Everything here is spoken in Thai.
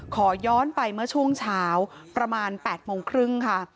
ขอย้อนไปเมื่อช่วงเช้าประมาณ๘โมงครึ่งค่ะ